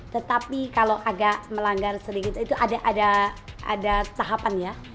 tetapi kalau agak melanggar sedikit itu ada tahapannya